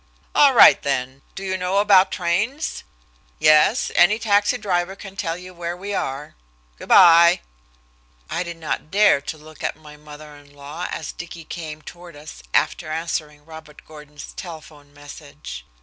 All right, then. Do you know about trains? Yes, any taxi driver can tell you where we are. Good by." I did not dare to look at my mother in law as Dicky came toward us after answering Robert Gordon's telephone message.